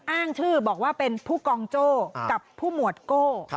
อ้างชื่อบอกว่าเป็นผู้กองโจ้กับผู้หมวดโก้